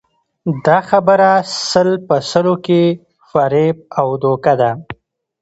دا خبره سل په سلو کې فریب او دوکه ده